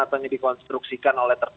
atau yang dikonstruksikan oleh tersebut